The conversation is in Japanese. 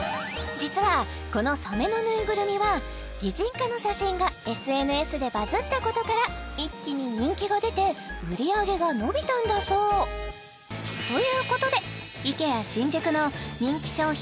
実はこのサメのぬいぐるみは擬人化の写真がＳＮＳでバズったことから一気に人気が出て売り上げが伸びたんだそうということでＩＫＥＡ新宿の人気商品